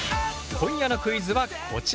今夜のクイズはこちら。